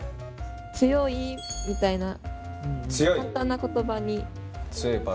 強いみたいな簡単な言葉に。